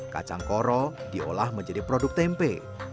kacang koro diolah menjadi produk tempe